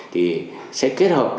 thì sẽ kết hợp